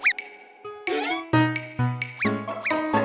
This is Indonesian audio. gigi permisi dulu ya mas